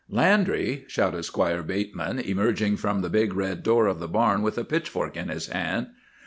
"'Landry!' shouted Squire Bateman, emerging from the big red door of the barn with a pitchfork in his hand.